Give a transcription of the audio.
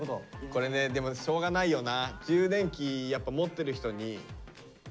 これねでもしょうがないよな。